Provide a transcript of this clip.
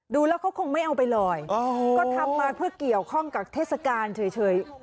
ดูแล้วเขาคงไม่เอาไปเลยก็ทำมาเพื่อเกี่ยวข้องกับเทศกาลเฉย